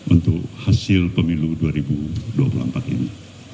untuk hasil pemilu dua ribu dua puluh empat ini